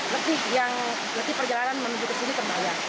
letih yang letih perjalanan menuju ke sini terbayar